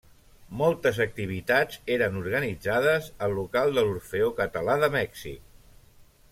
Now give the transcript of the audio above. Moltes activitats eren organitzades al local de l'Orfeó Català de Mèxic.